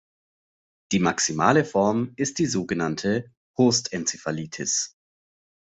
Die maximale Form ist die sogenannte Hurst-Enzephalitis.